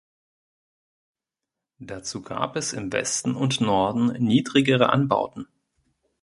Dazu gab es im Westen und Norden niedrigere Anbauten.